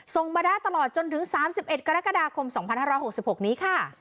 ส่งมาได้ตลอดจนถึง๓๑กรกฎาคม๒๕๖๖นี้ค่ะ